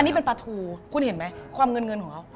นี่เป็นปลาทูคุณเห็นไหมความเงินเงินของเขา